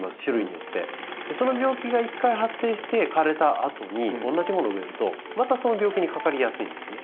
その病気が一回発生して枯れたあとに同じものを植えるとまたその病気にかかりやすいんですね。